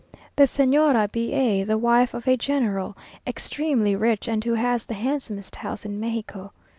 The Señora B a, the wife of a General, extremely rich, and who has the handsomest house in Mexico.